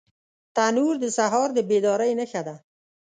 تنور د سهار د بیدارۍ نښه ده